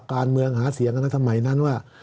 การเมืองหาเสียงกันในสมัยนั้นว่า